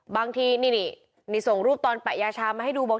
บางทีนี่ส่งรูปตอนแปะยาชามาให้ดูบอก